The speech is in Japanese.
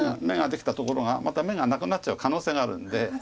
眼ができたところがまた眼がなくなっちゃう可能性があるんで。